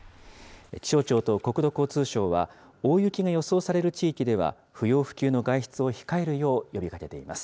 気象庁と国土交通省は、大雪が予想される地域では、不要不急の外出を控えるよう呼びかけています。